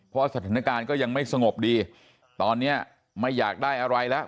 เพราะสถานการณ์ก็ยังไม่สงบดีตอนนี้ไม่อยากได้อะไรแล้ว